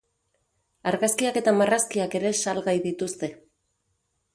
Argazkiak eta marrazkiak ere salgai dituzte.